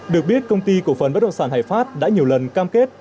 được biết công ty cổ phần bất động sản hải pháp đã nhiều lần cam kết